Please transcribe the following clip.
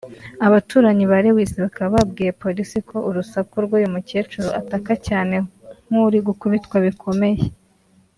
Abaturanyi ba Lewis bakaba babwiye polisi ko urusaku rw’uyu mukecuru ataka cyane nk’uri gukubitwa bikomeye